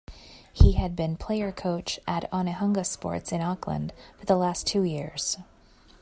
He had been player-coach at Onehunga Sports in Auckland for the last two years.